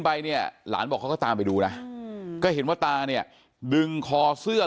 ไปเนี่ยหลานบอกเขาก็ตามไปดูนะก็เห็นว่าตาเนี่ยดึงคอเสื้อ